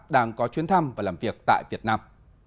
đang có chuyến thăm và làm việc tại việt nam